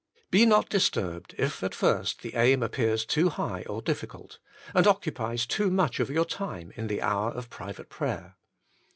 Be not disturbed if at first the aim appears too high or difficult, and occupies too much of your time in the hour of private prayer.